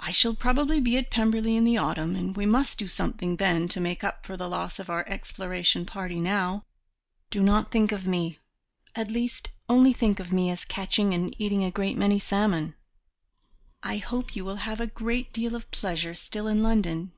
I shall probably be at Pemberley in the autumn, and we must do something then to make up for the loss of our exploration party now. Do not think of me at least, only think of me as catching and eating a great many salmon. I hope you will have great deal of pleasure still in London.